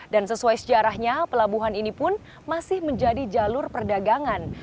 dan sesuai sejarahnya pelabuhan ini pun masih menjadi jalur perdagangan